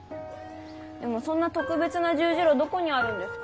でもそんな特別な十字路どこにあるんですか？